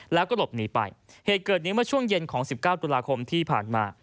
แล้วก็หลบหนีไปเหตุเกิดนี้เมื่อช่วงเย็นของ๑๙ตุลาคมที่ผ่านมา